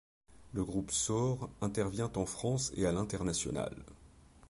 Le groupe Saur intervient en France et à l'international.